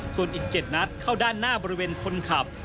ส่วนอีก๗นัดเข้าด้านหน้าบริเวณคนขับ